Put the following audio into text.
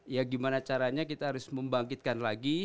ya gimana caranya kita harus membangkitkan lagi